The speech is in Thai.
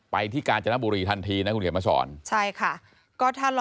ไปที่การจนบุรีทันทีนะครับ